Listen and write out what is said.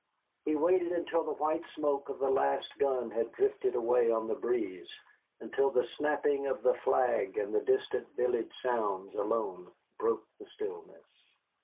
He waited until the white smoke of the last gun had drifted away on the breeze, until the snapping of the flag and the distant village sounds alone broke the stillness.